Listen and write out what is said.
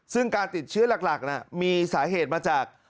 ซึ่งการติดเชื้อหลักมีสาเหตุมาจาก